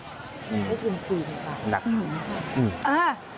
ไม่ถึงคืนครับนักของ